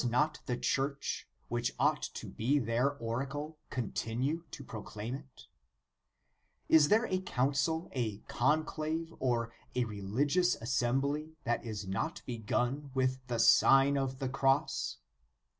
Justin, jun. 1 40 The Sign of the Cross Church, which ought to be their oracle, con tinue to proclaim it? Is there a. council, a conclave, or a religious assembly that is not begun with the Sign of the Cross